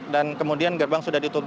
dan kemudian gerbang sudah ditutup